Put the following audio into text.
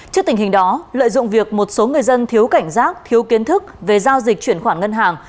trước tình hình đó lợi dụng việc một số người dân thiếu cảnh giác thiếu kiến thức về giao dịch chuyển khoản ngân hàng